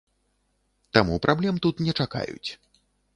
Таму праблем тут не чакаюць.